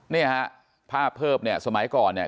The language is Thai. เนี่ยฮะภาพเพิ่มเนี่ยสมัยก่อนเนี่ย